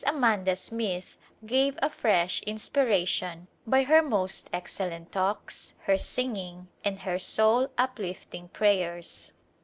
Amanda Smith gave a fresh inspiration by her most excellent talks, her singing and her soul uplifting prayers.